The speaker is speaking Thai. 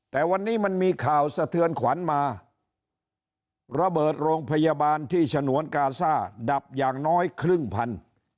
แต่วันนี้มันมีข่าวสะเทือนขวัญมาระเบิดโรงพยาบาลที่ฉนวนกาซ่าดับอย่างน้อยครึ่งพัน